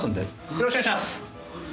よろしくお願いします。